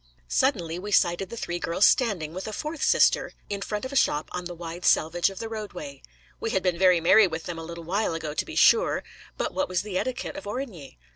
Suddenly we sighted the three girls standing, with a fourth sister, in front of a shop on the wide selvage of the roadway. We had been very merry with them a little while ago, to be sure. But what was the etiquette of Origny?